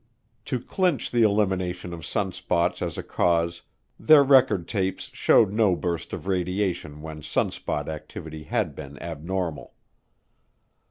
To clinch the elimination of sunspots as a cause, their record tapes showed no burst of radiation when sunspot activity had been abnormal.